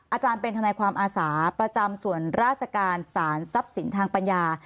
อาจารย์เป็นทนายความอาสาประจำส่วนราชการสารทรัพย์สินทางปัญญา